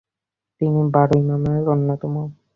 তিনি বারো ইমামের অন্যতম।